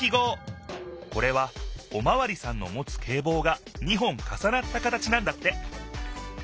これはおまわりさんのもつけいぼうが２本かさなった形なんだって。